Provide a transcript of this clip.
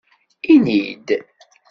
lni-d!